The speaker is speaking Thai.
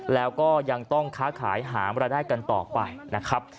แล้วก็ยังต้องค้าขายหามรายได้กันต่อไปนะครับ